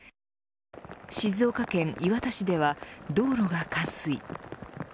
静岡県磐田市では道路が冠水。